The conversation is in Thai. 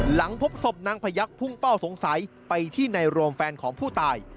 หลังพบศพนางพยักษ์พุ่งเป้าสงสัยไปที่ในโรมแฟนของผู้ตาย